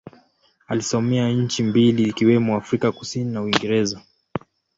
Alisomea nchi mbili ikiwemo Afrika Kusini na Uingereza.